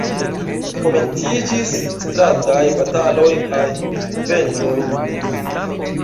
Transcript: Komenciĝis strataj bataloj kaj venĝoj.